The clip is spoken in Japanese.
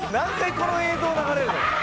この映像流れるのよ」